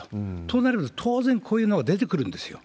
となれば、当然、こういうのが出てくるんですよ。